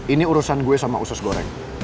ini urusan gue sama usus goreng